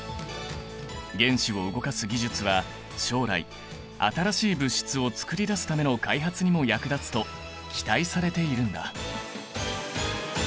原子を動かす技術は将来新しい物質を作り出すための開発にも役立つと期待されているんだ。